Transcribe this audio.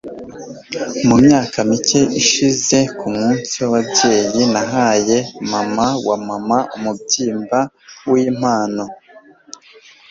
mu myaka mike ishize, ku munsi w'ababyeyi, nahaye mama wa mama umubyimba nkimpano